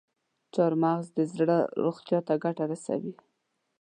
چارمغز د زړه روغتیا ته ګټه رسوي.